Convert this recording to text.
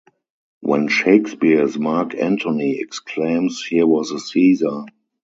When Shakespeare's Mark Antony exclaims: Here was a Caesar!